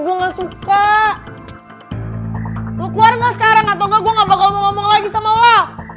enggak suka lu keluar enggak sekarang atau enggak gua enggak bakal ngomong lagi sama lo